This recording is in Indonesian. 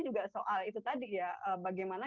juga soal itu tadi ya bagaimana